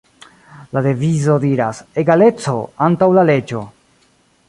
La devizo diras, "Egaleco Antaŭ La Leĝo.